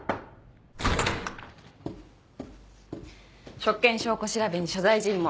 職権証拠調べに所在尋問